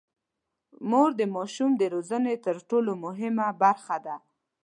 مور د ماشوم د روزنې تر ټولو مهمه برخه ده.